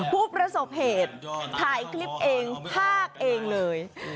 ผู้ประสบเหตุถ่ายคลิปเองภาคเองเลย